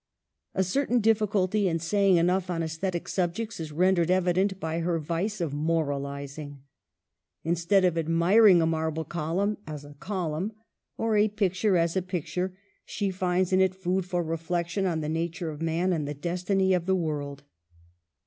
A certain difficulty in saying enough on aesthetic subjects is rendered evident by her vice of moralizing. Instead of admiring a marble column as a column, or a pict ure as a picture, she finds in it food for reflection on the nature of man and the destiny of the world.